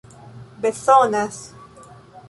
bezonas